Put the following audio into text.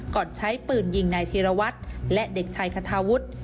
ก่อนใช้ปืนยิงนายธีรวัตรและเด็กชายคาทาวุฒิ